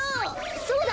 そうだ！